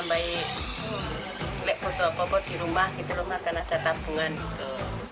jadi lepot lepot di rumah di rumah karena ada tabungan gitu